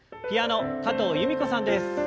ピアノ加藤由美子さんです。